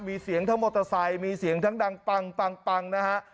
มีเสียงทั้งมอเตอร์ไซค์มีเสียงทั้งดังปังปังนะฮะ